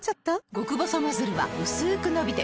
極細ノズルはうすく伸びて